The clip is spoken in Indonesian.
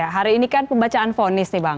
hari ini kan pembacaan fonis nih bang